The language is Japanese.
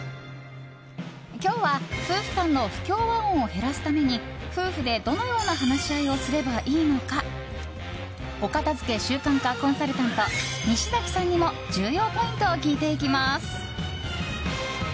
今日は、夫婦間の不協和音を減らすために夫婦でどのような話し合いをすればいいのかお片付け習慣化コンサルタント西崎さんにも重要ポイントを聞いていきます。